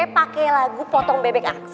pake lagu potong bebek aksa